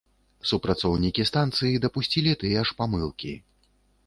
Супрацоўнікі станцыі дапусцілі тыя ж памылкі.